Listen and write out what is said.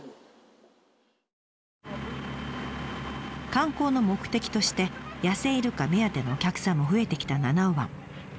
観光の目的として野生イルカ目当てのお客さんも増えてきた七尾湾。